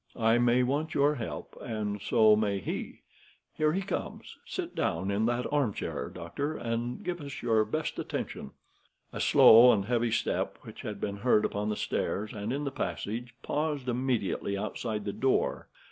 I may want your help, and so may he. Here he comes. Sit down in that armchair, doctor, and give us your best attention." A slow and heavy step, which had been heard upon the stairs and in the passage, paused immediately outside the door.